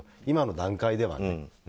今の段階ではね。